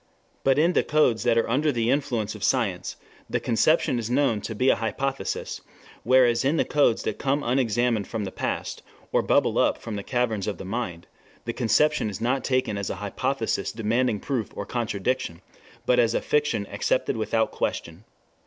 But in the codes that are under the influence of science, the conception is known to be an hypothesis, whereas in the codes that come unexamined from the past or bubble up from the caverns of the mind, the conception is not taken as an hypothesis demanding proof or contradiction, but as a fiction accepted without question.